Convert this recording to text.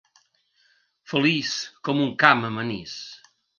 Feliç com un camp amb anís.